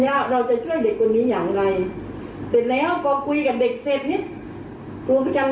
เนื่องจากว่าไม่มีที่พักและไม่มีผู้ปกครอง